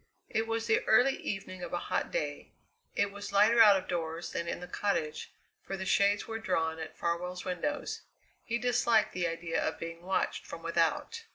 It was the early evening of a hot day. It was lighter out of doors than in the cottage, for the shades were drawn at Farwell's windows; he disliked the idea of being watched from without.